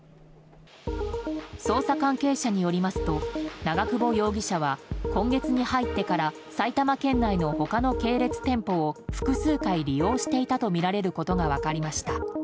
捜査関係者によりますと長久保容疑者は今月に入ってから埼玉県内の他の系列店舗を複数回利用していたとみられることが分かりました。